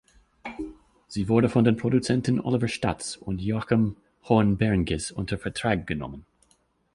Sie wurde von den Produzenten Oliver Statz und Joachim Horn-Bernges unter Vertrag genommen.